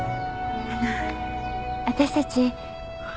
あの私たち。